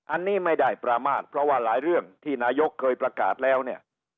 อันนี้ไม่ได้ประมาทเพราะว่าหลายเรื่องที่นายกเคยประกาศแล้วเนี่ย